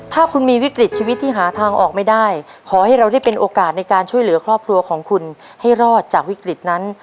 ถ้าคุณมีวิกฤตชีวิตที่หาทางออกไม่ได้ขอให้เราได้เป็นโอกาสในการช่วยเหลือครอบครัวของคุณให้รอดจากวิกฤตนั้น